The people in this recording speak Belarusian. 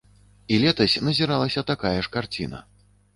І летась назіралася такая ж карціна.